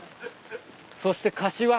そして柏。